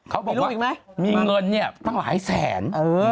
เขาบอกว่ามีเงินเนี่ยตั้งหลายแสน